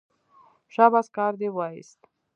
شاباس کار دې وایست.